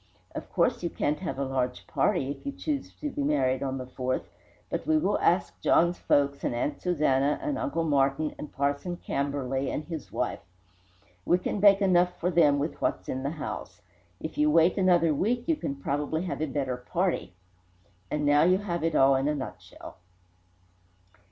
Of course you can't have a large party, if you choose to be married on the 4th, but we will ask John's folks and Aunt Susanna and Uncle Martin and Parson Camberley and his wife. We can bake enough for them with what's in the house. If you wait another week, you can probably have a better party and now you have it all in a nutshell."